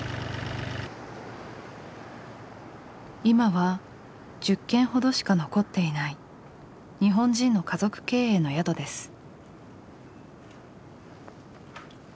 今は１０軒ほどしか残っていない日本人の家族経営の宿です。